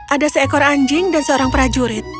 ada seekor anjing dan seorang prajurit